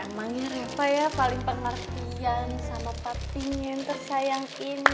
emangnya riva ya paling pengertian sama pattingnya yang tersayang ini